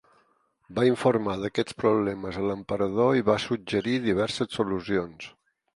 Va informar d'aquests problemes a l'emperador i va suggerir diverses solucions.